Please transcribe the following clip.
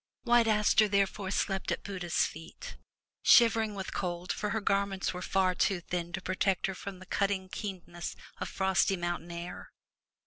White Aster, therefore, slept at Buddha's feet, shivering with cold, for her garments were far too thin to protect her from the cutting keenness of frosty mountain air.